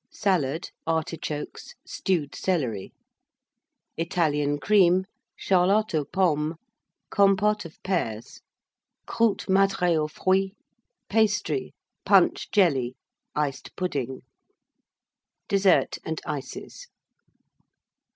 Salad. Artichokes. Stewed Celery. Italian Cream. Charlotte aux Pommes. Compôte of Pears. Croûtes madrées aux Fruits. Pastry. Punch Jelly. Iced Pudding. DESSERT AND ICES.